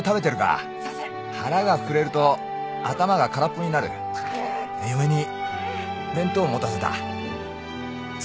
「腹がふくれると頭がからっぽになる」「嫁に弁当持たせた。塚」